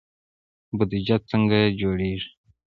بودجه څنګه جوړیږي؟